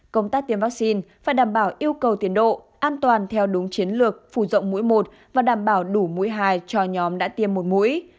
công tác tiêm vaccine phải đảm bảo yêu cầu tiến độ an toàn theo đúng chiến lược phủ rộng mũi một và đảm bảo đủ mũi hai cho nhóm đã tiêm một mũi